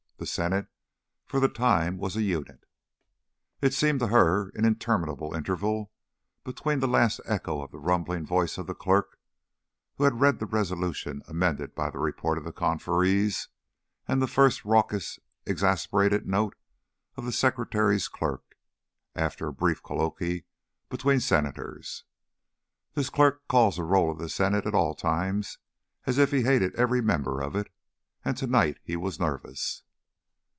The Senate for the time was a unit. It seemed to her an interminable interval between the last echo of the rumbling voice of the Clerk who had read the resolution amended by the report of the conferees, and the first raucous exasperated note of the Secretary's clerk, after a brief colloquy between Senators. This clerk calls the roll of the Senate at all times as if he hated every member of it, and to night he was nervous.